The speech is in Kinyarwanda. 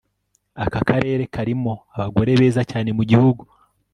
aka karere karimo abagore beza cyane mugihugu